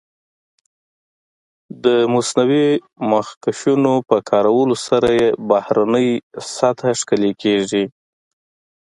د مصنوعي مخکشونو په کارولو سره یې بهرنۍ سطح ښکلې کېږي.